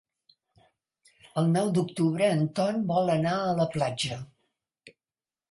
El nou d'octubre en Ton vol anar a la platja.